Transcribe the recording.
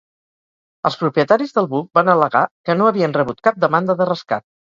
Els propietaris del buc van al·legar que no havien rebut cap demanda de rescat.